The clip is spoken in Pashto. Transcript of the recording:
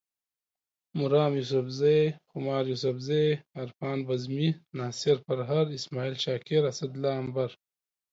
مرام یوسفزے، خمار یوسفزے، عرفان بزمي، ناصر پرهر، اسماعیل شاکر، اسدالله امبر